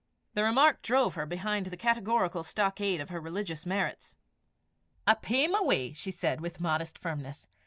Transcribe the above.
The remark drove her behind the categorical stockade of her religious merits. "I pey my w'y," she said, with modest firmness.